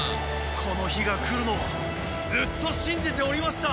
この日が来るのをずっと信じておりました！